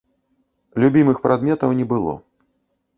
Любімых прадметаў не было.